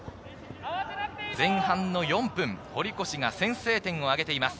前半４分、堀越が先制点を挙げています。